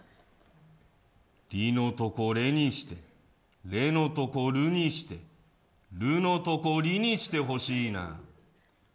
リのとこレにしてレのとこルにしてルのとこリにしてほしいな。